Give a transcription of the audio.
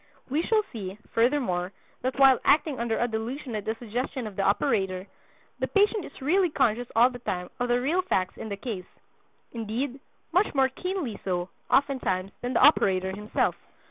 We shall see, furthermore, that while acting under a delusion at the suggestion of the operator, the patient is really conscious all the time of the real facts in the case—indeed, much more keenly so, oftentimes, than the operator himself.